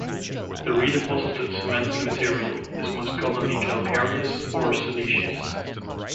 The redeposited cementing material is most commonly calcareous or siliceous.